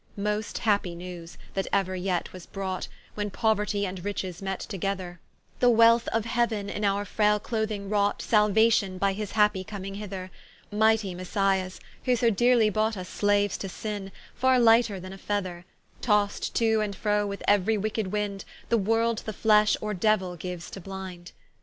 Most happy news, that euer yet was brought, When Pouerty and Riches met together, The wealth of Heauen, in our fraile clothing wrought Saluation by his happy comming hither: Mighty Messias, who so deerely bought Vs Slaues to sinne, farre lighter than a feather: Toss'd to and fro with euery wicked wind, The world, the flesh, or Deuill giues to blind.